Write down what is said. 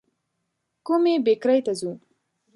کومي بېکرۍ ته ځو ؟